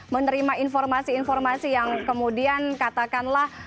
menerima informasi informasi yang kemudian katakanlah